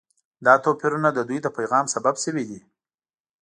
دا توپیرونه د دوی د پیغام سبب شوي دي.